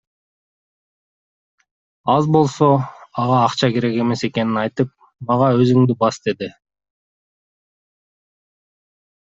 Ал болсо ага акча керек эмес экенин айтып, мага Өзүңдү бас деди.